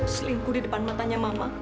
selingkuh di depan matanya mama